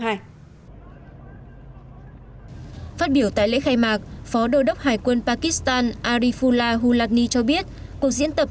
phát biểu tại lễ khai mạc phó đô đốc hải quân pakistan arifula hulani cho biết cuộc diễn tập